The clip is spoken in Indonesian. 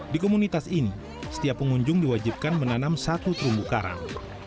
di komunitas ini setiap pengunjung diwajibkan menanam satu terumbu karang